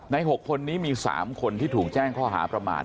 ๖คนนี้มี๓คนที่ถูกแจ้งข้อหาประมาท